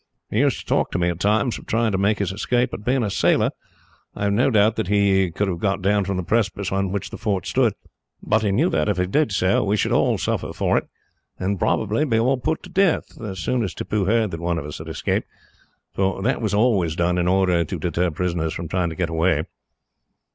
He used to talk to me, at times, of trying to make his escape. Being a sailor, I have no doubt that he could have got down from the precipice on which the fort stood; but he knew that, if he did so, we should all suffer for it, and probably be all put to death, as soon as Tippoo heard that one of us had escaped for that was always done, in order to deter prisoners from trying to get away."